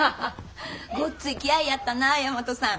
ごっつい気合いやったな大和さん。